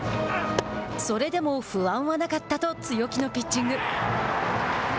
それでも不安はなかったと強気のピッチング。